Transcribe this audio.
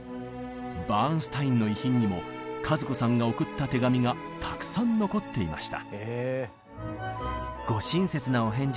バーンスタインの遺品にも和子さんが送った手紙がたくさん残っていました。